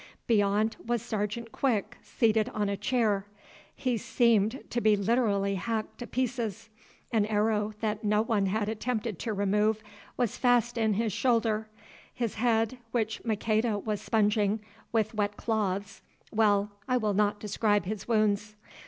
Beyond was Sergeant Quick, seated on a chair. He seemed to be literally hacked to pieces. An arrow that no one had attempted to remove was fast in his shoulder; his head, which Maqueda was sponging with wet cloths—well, I will not describe his wounds.